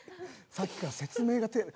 さっきから説明が。